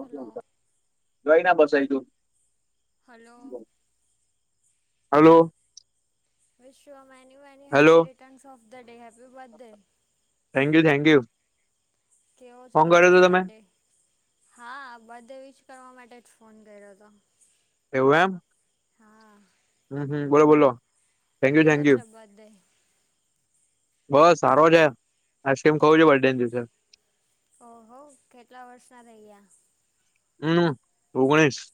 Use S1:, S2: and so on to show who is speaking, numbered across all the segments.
S1: Hello.
S2: જોઈ ના બેસાડી દુ.
S1: Hello.
S2: Hello.
S1: Wish you a many many
S2: hello
S1: happy returns of the day, happy birthday.
S2: Thank you, thank you.
S1: કેવો છે તમારો બર્થ ડે? હા, બર્થડે વિશ કરવા માટે જ ફોન કર્યો હતો.
S2: એવું એમ?
S1: હા.
S2: હમ્મ હમ્મ બોલો બોલો. થેન્ક યુ
S1: કેવો
S2: થેન્ક યુ
S1: છે બર્થડે?
S2: બસ સારો છે. આઈસ્ક્રીમ ખઉું છે
S1: કે
S2: બર્થડે ને દિવસે.
S1: ઓહો કેટલા વર્ષ ના રૈયા?
S2: હમ્મ, ઓગણીસ.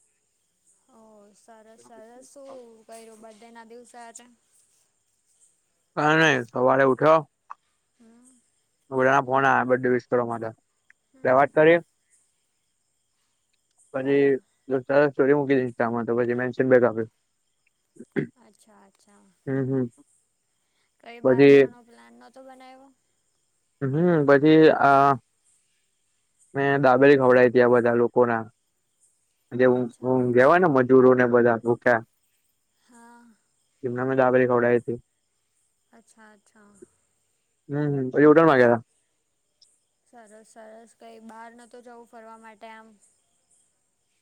S1: ઓ સરસ સરસ શું કર્યું બર્થડે ના દિવસે આજે?
S2: અને સવારે ઉઠ્યો.
S1: હમ્મ.
S2: બધાં ના ફોન આયા બર્થડે વિશ કરવા માટે, તે
S1: હમ
S2: વાત કરી.
S1: હા
S2: પછી જે તે સ્ટોરી મૂકી દમાં તો પછી મેન્શન બેગ આપ્યું.
S1: અચ્છા અચ્છા
S2: હમ હમ
S1: કઈ બહાર
S2: પછી
S1: જવાનો પ્લાન નતો બનાવ્યો?
S2: હમ્મ, પછી આ મેં દાબેલી ખવડાય ત્યા બધા લોકો ના. જે હું
S1: અચ્છા
S2: હું ગેવાને મજ જૂર ને બધા પૂઠાં.
S1: હા.
S2: એમના મેં દાબેલી ખવડાઈ થી.
S1: અચ્છા, અચ્છા.
S2: હમ્મ, પછી હું તો માંગેલા.
S1: સરસ સરસ કઈ બહાર નતો જવું ફરવા માટે આમ?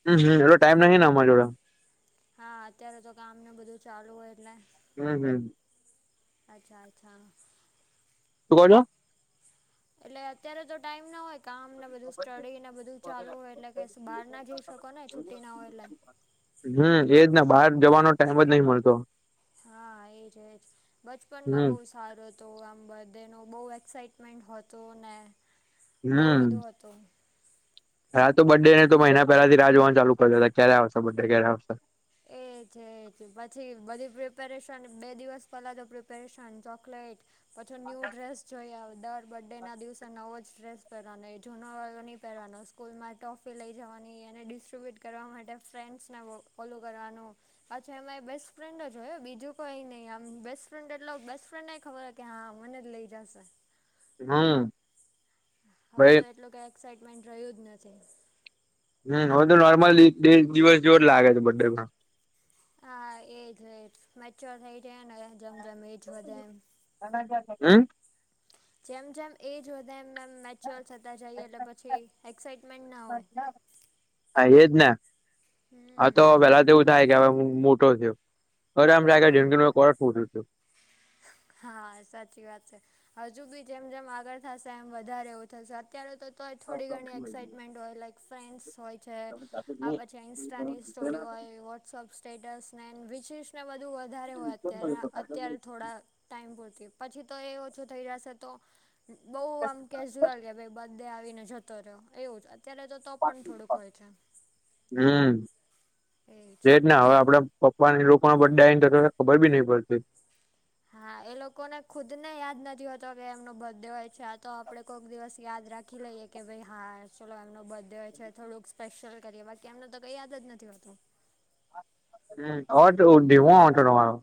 S2: હમ્મ, હમ્મ એટલો ટાઈમ નહીને અમારે જોડે.
S1: હા અત્યારે તો કામને બધું ચાલુ હોય એટલે
S2: હમ હમ.
S1: અચ્છા અચ્છા.
S2: શું કહો છો.
S1: એટલે અત્યારે તો ટાઈમ ના હોય. કામ ને બધું સ્ટડી ને બધું ચાલુ હોય એટલે કે બાર ના જઈ શકો ને છુટ્ટી ના હોય એટલે.
S2: હમ એજ બહાર જવાનો ટાઈમ જ નહી મળતો.
S1: હા એજજ બચપનમાં
S2: હમ
S1: બહુ સારું તો આમ બધેનો બહુ એક્સાઈટમેન્ટ હતો ને. બહુ
S2: હમ
S1: વધુ હતો.
S2: હા તો બડ ડે ને તો મહિના પેલાથી રાહ જોવાનું ચાલુ કર દે હતા ક્યારે આવશે બ ડે ક્યારે આવશે.
S1: એજ એજ પછી બધી પ્રિપેરેશન બે દિવસ પેલા તો પ્રિપેરેશન ચોકલેટ. પછી ન્યુ ડ્રેસ જોઈ આવે દર બર્થ ડે ના દિવસે નવો જ ડ્રેસ પહેરવાનો એ જૂનો વાળ ન પહેરવાનો સ્કૂલ માં ટોફ તે લઈ જવાની એને ડિસ્ટ્રીબ્યુટ કરવા માટે ફ્રેન્ડ્સને ફોલું કરવાનું. અચ્છા એમાં એ બેસ્ટ ફ્રેન્ડ જ હોય બીજું કોઈ નહી આમ બેસ્ટ ફ્રેન્ડ એટલે બેસ્ટ ફ્રેન્ડ ખબર કે હા મને જ લઇ જશે.
S2: હમ.
S1: હવે
S2: ભાઈ
S1: તો એટલું કઈ એક્સાાઈટમેન્ટ રહ્યું જ નથી.
S2: હમ હવે તો નોર્મલ બે દિવસ જો જ લાગે છે બર ડે માં.
S1: હા એજજ મેચ્યોર થઇ જાય ને જેમ જેમ એજ વધે એમ.
S2: હમ
S1: જેમ જેમ એ જ હોે એમ એમ મેચ્યુઅર થતાં જઈએ એટલે પછી એક્સાાઈટમેન્ટ ના હોય.
S2: હા એજ ને આ
S1: હમ
S2: તો પેલા તો એવું થાય કે હવે હું મોટો થયો. અરે આમ જે
S1: હા
S2: જમ કો પું છું.
S1: હા સાચી વાત છે હજુ બી જેમ જેમ આગળ થશે એમ વધારે. અત્યારે તો તો થોડી ઘણી એક્સાઈટમેન્ટ હોય લાઈક ફ્રેન્સ હોય. છે
S2: તમે જાતે
S1: આ
S2: જુઓ
S1: પછી ઇન્સ્ટાની સ્ટોરી હોય વોટ્સઅપ સ્ટેટસ નેન વિશિષ્ટ. એ બધું વધારે હોય અત્યારે અત્યારે થોડાક. ટાઈમ પૂરતી પછી તો એ ઓછું થઈ જશે તો. બઉુ આમ કેઝ્યુઅલ કે ભાઈ બધે આવીને જતો રહ્યો એવું જ અત્યારે તો તો પણ થોડુંક હોય છે.
S2: હમ
S1: એજ
S2: એ જ હવે આપડે. પપ્પાને લોકો પણ બેને તો ખબર બી નહી પડતી.
S1: હા એ લોકોને ખુદ ને યાદ નથી હોતો કે એમનો બર્ડે હોય છે આ તો આપડે કોઈક દિવસ યાદ રાખી લઈએ. કે ભાઈ હા ચલો એમનો બર્થડે હોય છે થોડુંક સ્પેશિયલ કરીએ બાકી એમનું તો કઈ યાદ જ નથી હોતો.
S2: હમ અવાજ ધીમો આવે તમારો.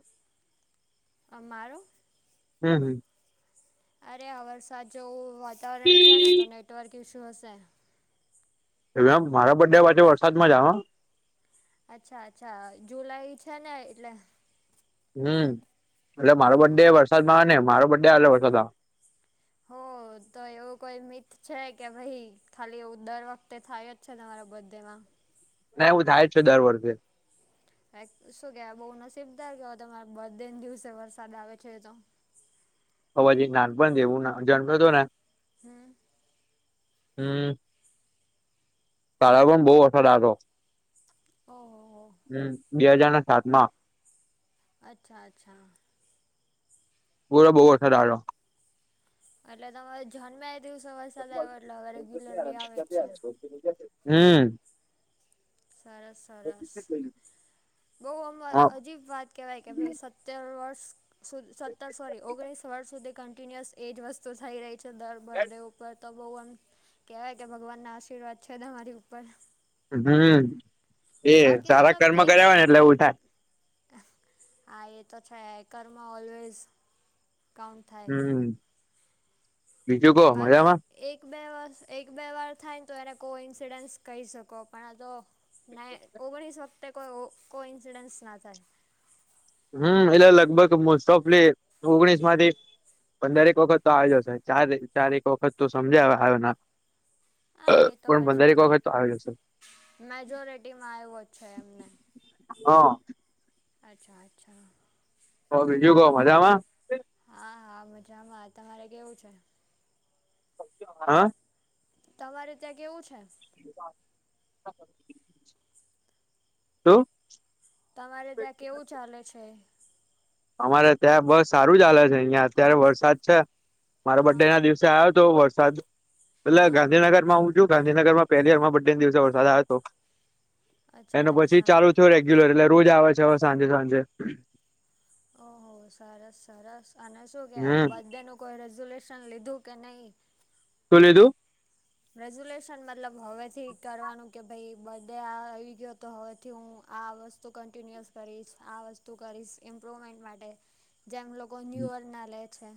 S1: અ મારો.
S2: હમ હમ.
S1: અરે આ વરસાદ જેવું વાતાવરણ છે ને તો નેટવર્ક ઇશ્યુ હશે.
S2: એમ મારા બડ્યા પાછે વરસાદમાં જ આવે.
S1: અચ્છા અચ્છા જુલાઈ છે ને એટલે.
S2: હમ એટલે મારો બડ ડે
S1: હા
S2: વરસાદ માં ને મારો બડ્ ડે એટલે વરસાદ આવે.
S1: હો તો એવું કોઈ મિત છે કે ભાઈ. ખાલી એવું દર વખતે થાય જ છે તમારા બડે માં.
S2: નાવું થાય જ છે દર વર્ષે.
S1: ક શું કેવાય બહુ નસીબદાર કેવાય તમારે બધને દિવસે વરસાદ આવે છે તો.
S2: હવાજી નાનપણ દેવું જન્મે તો ને.
S1: હમ.
S2: હમ. કાલે પણ બઉ વરસાદ આયો તો.
S1: ઓહો હો.
S2: હમ્મ, બે હજારને સાતમાં.
S1: અચ્છા અચ્છા.
S2: પૂરો બહુ વરસાદ આયો તો.
S1: એટલે તમારે જન્મે એ દિવસે વરસાદ આય્વો એટલે હવે રેગ્યુલરલી આવે જ છે.
S2: હમ્મ.
S1: સરસ સરસ બઉ આમ
S2: હા.
S1: અજીબ વાત કહેવાય કે ભઈ સત્તર વર્ષ સત્તર સોરી ઓગણીસ વર્ષ સુધી કન્ટિન્યુઅસ એ જ વસ્તુ થઈ રહી છે દર બર્ડે ઉપર. તો બહુ એમ કહેવાય કે ભગવાનના આશીર્વાદ છે તમારી ઉપર.
S2: હમ્મ, એ
S1: બાકી
S2: સારા
S1: મતલબ
S2: કર્મ
S1: એક
S2: કર્યા હોય ને એટલે એવું થાય.
S1: હા એ તો છે કર્મ ઓલવેઝ કાઉન્ટ થાય.
S2: હમ બીજું કો
S1: બાકી?
S2: મજામાં
S1: એક બે વર્ષ એક બે વાર થાય ને તો એને કો ઇન્સિડન્સ કહી શકો પણ આ તો ના એ ઓગણીસ વખતે કો કો ઈન્સીડેન્સ ના થાય.
S2: હમ્મ એટલે લગભગ મોસ્ટોફલી ઓગણીસમાંથી પંદરએક વખત તો આયો જ હશે છે ચા ચારેક વખત તો સમજયા આયો ના.
S1: હા એ તો
S2: પણ પંદરેક
S1: પછી
S2: વખત તો આવી જશે
S1: મેજોરિટીમાં આયવો જ છે એમને.
S2: હ.
S1: અચ્છા અચ્છા.
S2: હવે બીજું કો મજામાં?
S1: હા હા મજામાં, તમારે કેવું છે?
S2: હ?
S1: તમારે ત્યાં કેવું છે?
S2: શું?
S1: તમારે ત્યાં કેવું ચાલે છે?
S2: અમારે ત્યાં બસ સારું ચાલે છે અહિયાં અત્યારે વરસાદ છે. મારા
S1: હા
S2: બર્ડેના દિવસે આયો તો વરસાદ એટલે
S1: હા
S2: ગાંધીનગરમાં હું થયું ગાંધીનગરમાં પહેલી વાર માર બંર્ડેન દિવસે વરસાદ આયો હતો
S1: અચ્છા
S2: એના પછી
S1: અચ્છા
S2: ચાલુ થયો રેગ્યુલર એટલે રોજ આવે છે હવે સાંજે સાંજે.
S1: ઓહો! સરસ સરસ અને શું કેવાય
S2: હમ
S1: બડેનું કોઈ રેઝોલ્યુલેશન લીધું કે નઈ?
S2: શું લીધું?
S1: રેઝ્યુલેશન મતલબ હવેથી કરવાનું કે ભઈ બર્ડે આવી ગયો તો હવેથી હું આ વ કન્ટિન્યુઅસ કરીશ આ વસ્તુ કરીશ ઈમ્પ્રુવમેન્ટ માટે જેમ લો કો ન્યૂયરના લે છે.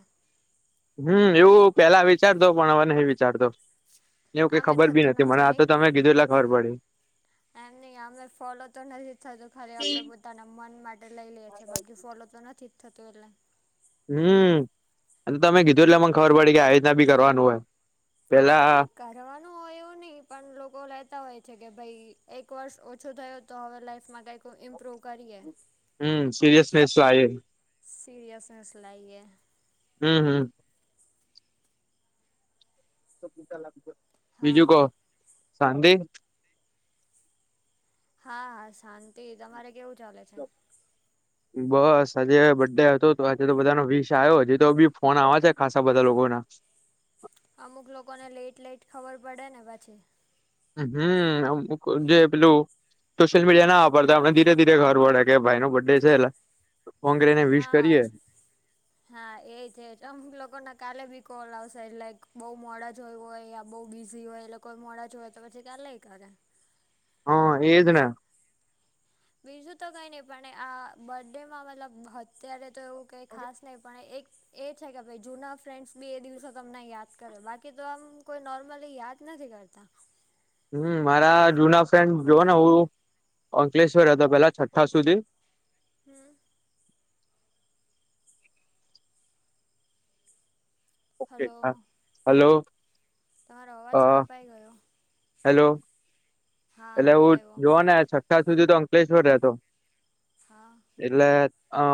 S2: હમ્મ, એવું પેલા વિચારતો પણ હવે નઈ વિચારતો. એવું કઈ
S1: આમે
S2: ખબર બી
S1: થતું
S2: નથી મને આ તો
S1: નહીં
S2: તમે કીધું એટલે ખબર પડી.
S1: એમ નહીં આમેય ફોલો તો નથી જ થતું ખાલી આપડે બધ પોતાનાં મન માટે લઈ લયે છે બાકી ફોલો તો નથી જ થતું એટલે
S2: હમ્મ આ તો તમે કીધું એટલે
S1: હમ
S2: મને ખબર પડી કે આ રીતના બી કરવાનું હોય પેલા
S1: એટલે કરવાનું હોય એવું નહીં પણ લોકો લેતા હોય છે કે ભઈ એક વર્ષ ઓછું થયું તો હવે લાઈફમાં કાંઈક તો ઈમ્પ્રૂવ કરીએ.
S2: હમ્મ, સિરિયસનેસ તો આયે.
S1: સીરીયસનેસ લાઈએ.
S2: હમ હમ. બીજું
S1: હા
S2: કો શાંતિ?
S1: હા હા શાંતિ તમારે કેવું ચાલે છે?
S2: બસ આજે બર્ડે હતો તો આજે તો બધાનો વિશ આયો હજી તો બી ફોન આવે છે ખાસા બધાં લોકોના.
S1: અમુક લોકોને લેટ લેટ ખબર પડે ને પાછી.
S2: હમ્મ, અમુક જે પેલું સોશિયલ મીડિયા ના વાપરતા હોય એટલે ધીરે-ધીરે પડે ભાઈનો બર્ડે છે એટલે ફોન કરીને વિશ
S1: હા.
S2: કરીએ
S1: હા એજજ અમુક લોકોને કાલે ભી કોલ આવશે એટલે બહુ મોડા જોયું હોયે યા- બઉુ બીઝી હોય એ લોકો મોડા જ જોવે તો પછી કાલે ખરા.
S2: હા એજને.
S1: બીજું તો કઈ નહી પણ આ બર્ડે માં મતલબ- અત્યારે તો એવું કઈ ખાસ નહી પણ એક- એ છે કે ભાઈ જૂના ફ્રેન્ડ્સ બી એ દિવસો તમને યાદ કરે બાકી તો આમ કોઈ નોર્મલી યાદ નથી કરતા.
S2: હમ મારા જુના ફ્રેન્ડ જો ને હું અંકલેશ્વર હતો પેલા છઠ્ઠા સુધી-
S1: હું.
S2: ઓકે
S1: હલો
S2: હા હલો અ.
S1: કે ગયો.
S2: હેલો.
S1: હા
S2: એટલે
S1: હવે
S2: હું
S1: આવ્યો
S2: જોવ ને છઠ્ઠા સુધી તો અંકલેશ્વર રેતો.
S1: હા.
S2: એટલે અ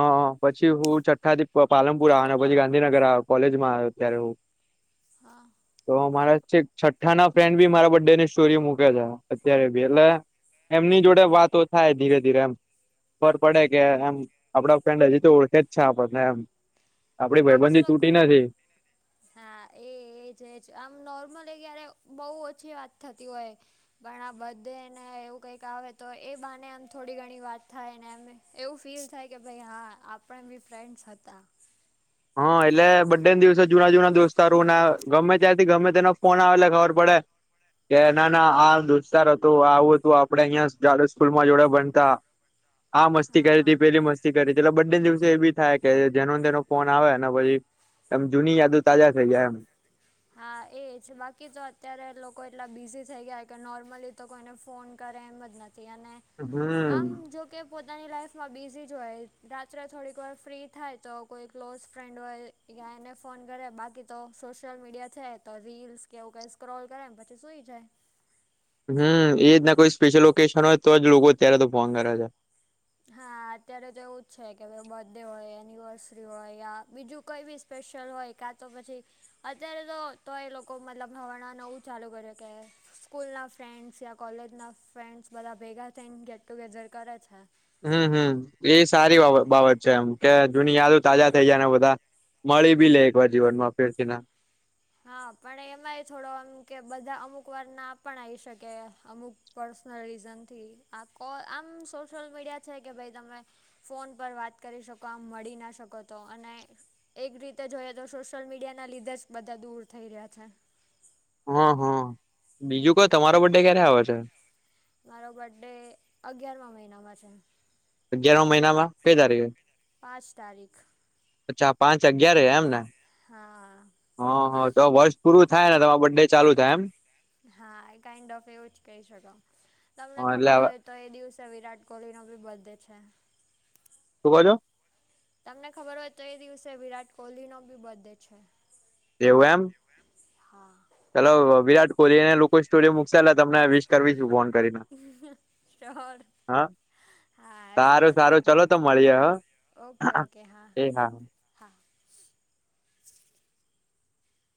S2: પછી હું છઠ્ઠા થી પ પાલનપુર આવે ને પછી
S1: હા
S2: ગાંધીનગર આવ. કોલેજમાં આયો અત્યારે હું.
S1: હા.
S2: તો મારા છેઠ છઠ્ઠા ના ફ્રેન્ડ ભી મારા બર્થ ડે ની સ્ટોરી મુકે છે. અત્યારે ભી એટલે એમની જોડે વાતો થાય ધીરે ધીરે એમ. ખબર પડે કે એમ આપણા ફ્રેન્ડ હજી તો ઓળખે જ છે આપણને એમ. આપડી
S1: ફ્રેન્ડ્સ
S2: ભાઈબંધની
S1: લોકો
S2: તૂટી નથી.
S1: હા એજ એજ આમ નોર્મલ ક્યારે બહુ ઓછી વાત થતી હોય‌. પણ આ બધે ને એવું કંઈક આવે તો એ બાને એમ થોડી ઘણી વાત થાય ને અમે. એવું ફીલ થાય કે ભાઈ હા આપણે બી ફ્રેન્ડસ હતા.
S2: હા એટલે બડે દિવસે જુના જૂના દોસ્તારોને ગમે ત્યારથી ગમે તેનો ફોન આવે એટલે ખબર પડે. કે ના ના આ દોસ્તાર હતો આવું હતું આપડે અહિયાંડ જા સ્કૂલમાં જોડે ભણતા. હા મસ્તી કરી હતી
S1: હા
S2: પેલી મસ્તી કરી હતી એટલે બડે દિવસે એ બી થાય કે જેનો તેનો ફોન આવે ને. પછી એમ જૂની યાદો તાજા થઈ જાય એમ.
S1: હા એજ બાકી તો અત્યારે લોકો એટલા બિઝી થઈ ગયા કે નોર્મલી તો કોઈને ફોન કરે એમ જ નથી. થી અને
S2: એમ
S1: આમ
S2: હમ
S1: જો. કે પોતાની લાઈઇફમાં બિઝી જો હોય રાત્રે થોડીક વાર ફ્રી થાય તો કોઈ ક્લોઝ ફ્રેન્ડ હોય એ એને ફોન કરે બાકી તો. સોશિયલ મીડિયા છે તો રીલ્સ કે એવું કઈ સ્ક્રોલ કરે ને પછી સુઈ જાય.
S2: હમ એ જ ના કોઈ સ્પેશિયલ ઓકેશન હોય તોજ લોકો અત્યારે તો ફોન કરે છે.
S1: હા અત્યારે તો એવું જ છે કે ભ‌ઇ બડે હોય એનિવર્સરી હોય યા બીજું કાઈ બી. સ્પેશિયલ હોય કાં તો પછી અત્યારે તો તો એ લોકો મતલબ હવાણા નવું ચાલુ કરે છે કે. સ્કૂલ ના ફ્રેન્ડ્સ યા કોલેજ ના ફ્રેન્ડસ બધા ભેગા થઈને ગેટ ટુગેધર કરે છે.
S2: હમ હમ એ સારી બાબત બાબત છે એમ કે જુની યાદ તાજા થઇ જાય ને બધા. મળી બી લે એકવાર જીવનમાં ફેરથી ના.
S1: હા પણ એમાંય થોડો એમ કે બધા અમુક વાર ના પણ આવી શકે અમુક પર્સનલ રીઝનથી આ કો આમ સોશિલ મીડિયા છે કે ભાઈ તમે ફોન પર વાત કરી શકો આમ મળી ના શકો તો અને. એક રીતે જોઈએ તો સોશિયલ મીડિયા ના લીધેજ બધા દૂર થઈ રહ્યા છે.
S2: હા હા બીજું કોઈ તમારો
S1: છે
S2: બે ક્યારે આવે છે?
S1: મારો બર્થ ડે અગિયારમા મહિનામાં છે.
S2: અગિયાર મહિનામાં પદાર રહ્યું છે.
S1: પાંચ તારીખ.
S2: અચ્છા પાંચ અગયાર એ એમને.
S1: હા
S2: હ હ તો વર્ષ પૂરું થાય ને તમારે બડે ચાલુ થાય એમ.
S1: હા એ કઇન્ડ ઓફ એવું જ કહી શકો તમને
S2: હા એટલે
S1: ખબર
S2: હવે
S1: હોય તો એ દિવસે વિરાટ કોહલીનો બી બર્થ ડે છે‌.
S2: શું કેવો છો?
S1: તમને ખબર હોય તો એ દિવસે વિરાટ કોહલીનો બી બર્થ ડે છે.
S2: એવું એમ
S1: હા-
S2: ચાલલો વિરાટ કોહલી ને લોકો સ્ટોરીયો મુક એટલે તમને વિસ કરીશ.
S1: હા શ્યોર
S2: હા
S1: - હા
S2: સારું
S1: શ્યોર
S2: સારું ચલો તો મળીએ
S1: શ્યોર ઓકે
S2: હ
S1: ઓકે હા હા-